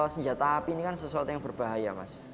senjata api ini kan sesuatu yang berbahaya mas